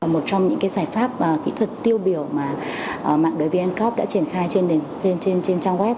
một trong những giải pháp kỹ thuật tiêu biểu mà mạng đối với vncob đã triển khai trên trang web